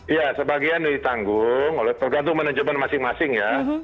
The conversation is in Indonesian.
iya sebagian ditanggung oleh pergantung manajemen masing masing ya